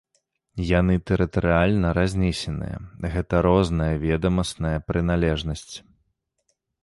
Яны тэрытарыяльна разнесеныя, гэта розная ведамасная прыналежнасць.